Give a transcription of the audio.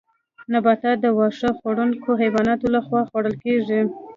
نباتات د واښه خوړونکو حیواناتو لخوا خوړل کیږي